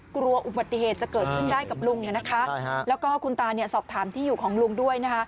กลัวอุบัติเหตุจะเกิดขึ้นได้กับลุงแล้วก็คุณตาสอบถามที่อยู่ของลุงด้วยนะคะ